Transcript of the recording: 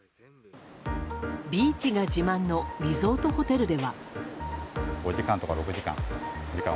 ビーチが自慢のリゾートホテルでは。